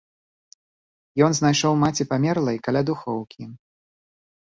Ён знайшоў маці памерлай каля духоўкі.